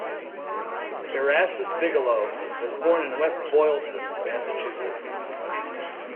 Erastus Bigelow was born in West Boylston, Massachusetts.